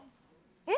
えっ？